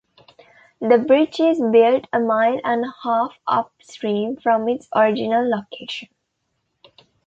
The bridge is built a mile and a half upstream from its original location.